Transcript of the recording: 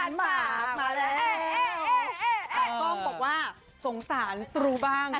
กล้องบอกว่าสงสารตรูบ้าง